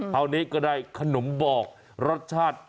คราวนี้ก็ได้ขนมบอกรสชาติ